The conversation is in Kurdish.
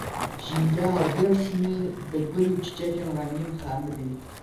Jîngeha Dêrsimê bi gul û çîçekên rengîn xemilî.